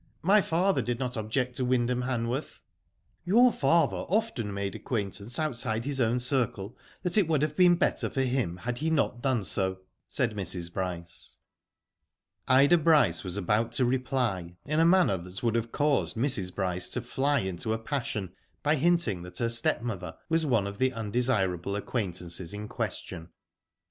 My father did not object to Wyndham Hanworth.^' '* Your father often made acquaintance outside his own circle that it would have been better for him had he not done so/' said Mrs. Bryce. Ida Bryce was about to reply, in a manner that would have caused Mrs. Bryce to fly into a passion, by hinting that her stepmother was one of the undesirable acquaintances in question.